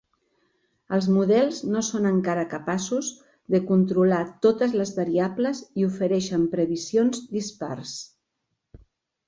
Els models no són encara capaços de controlar totes les variables i ofereixen previsions dispars.